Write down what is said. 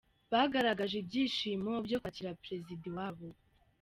Bagaragaje ibyishimo byo kwakira Perezida iwabo.